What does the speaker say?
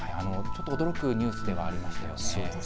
驚くニュースではありましたよね。